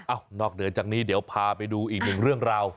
นอกเหนือจากนี้เดี๋ยวพาไปดูอีกหนึ่งเรื่องราว